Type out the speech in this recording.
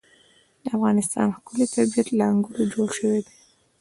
د افغانستان ښکلی طبیعت له انګورو جوړ شوی دی.